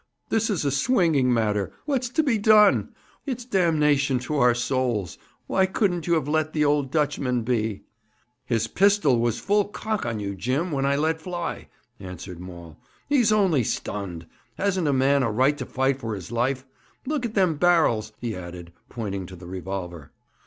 'This is a swinging matter. What's to be done? It's damnation to our souls. Why couldn't ye have let the old Dutchman be?' 'His pistol was full cock on you, Jim, when I let fly,' answered Maul. 'He's only stunned. Hasn't a man a right to fight for his life? Look at them barrels!' he added, pointing to the revolver.